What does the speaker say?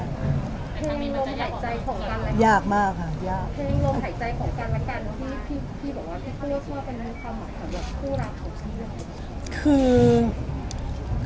เพลงลงหายใจของกันหรือเปล่าพี่บอกว่าพี่ตัวชอบเป็นคำถามแบบคู่รักของพี่